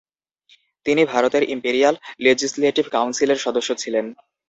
তিনি ভারতের imperial legislative কাউন্সিলের সদস্য ছিলেন।